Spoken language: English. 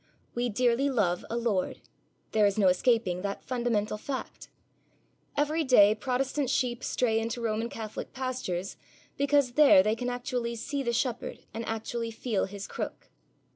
We dearly love a lord. There is no escaping that fundamental fact. Every day Protestant sheep stray into Roman Catholic pastures because there they can actually see the shepherd and actually feel his crook.